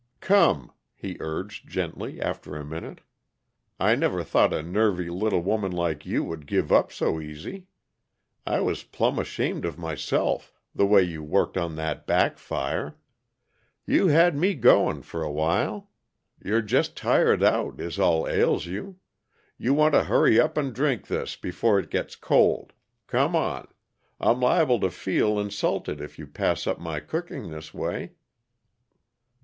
"Come," he urged gently, after a minute. "I never thought a nervy little woman like you would give up so easy. I was plumb ashamed of myself, the way you worked on that back fire. You had me going, for a while. You're just tired out, is all ails you. You want to hurry up and drink this, before it gets cold. Come on. I'm liable to feel, insulted if you pass up my cooking this way."